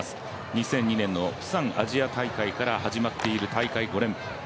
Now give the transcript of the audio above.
２００２年のプサンアジア大会から始まっている大会５連覇。